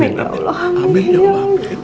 amin ya allah amin ya allah